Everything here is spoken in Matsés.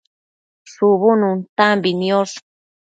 shubu nuntambi niosh